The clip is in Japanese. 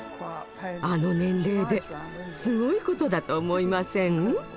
あの年齢ですごいことだと思いません？